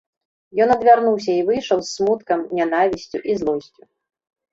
Ён адвярнуўся і выйшаў з смуткам, нянавісцю і злосцю.